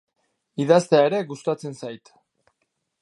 Idaztea ere gustatzen zait.